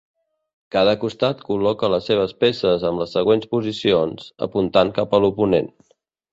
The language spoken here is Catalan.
Cada costat col·loca les seves peces amb les següents posicions, apuntant cap a l'oponent.